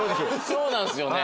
そうなんですよね。